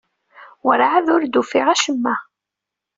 Werɛad ur d-ufiɣ acemma.